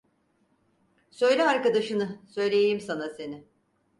Söyle arkadaşını söyleyeyim sana seni.